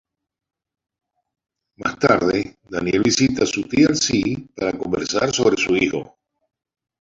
Más tarde, Daniel visita a Teal'c para conversar sobre su hijo.